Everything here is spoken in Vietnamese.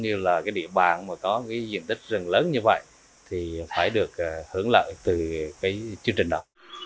như là địa bàn có diện tích rừng lớn như vậy thì phải được hưởng lợi từ chương trình đó